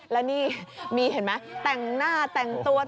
แล้วนี้มีเผ็ดแก่งหน้าเกี่ยวไว้